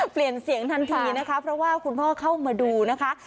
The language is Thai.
เปลี่ยนเสียงทันทีนะคะเพราะว่าคุณพ่อเข้ามาดูนะคะ